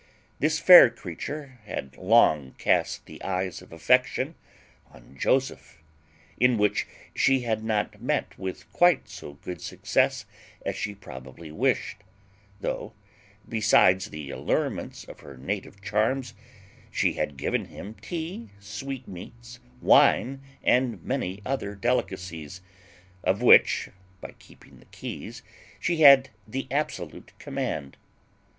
This fair creature had long cast the eyes of affection on Joseph, in which she had not met with quite so good success as she probably wished, though, besides the allurements of her native charms, she had given him tea, sweetmeats, wine, and many other delicacies, of which, by keeping the keys, she had the absolute command.